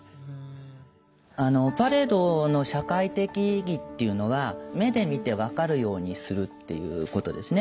パレードの社会的意義っていうのは目で見て分かるようにするっていうことですね。